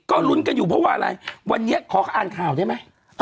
ก็ลุ้นกันอยู่เพราะว่าอะไรวันนี้ขออ่านข่าวได้ไหม